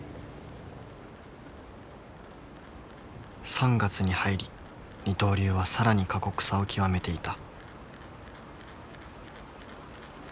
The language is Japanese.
３月に入り二刀流は更に過酷さを極めていた。